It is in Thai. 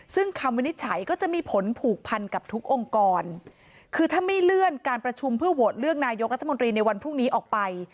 ซึ่งคำวินิจฉัยก็จะมีผลผูกพันกับทุกองค์กรคือถ้าไม่เลื่อนการประชุมเพื่อโหวตเลือกนายกรัฐมนตรีในวันพรุ่งนี้ออกไป